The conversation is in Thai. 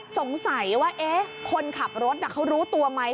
สงสัยว่าคนขับรถเขารู้ตัวไหม